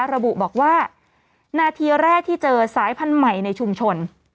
ระบุบอกว่านาทีแรกที่เจอสายพันธุ์ใหม่ในชุมชน